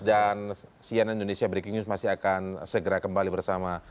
dan cnn indonesia breaking news masih akan segera kembali bersama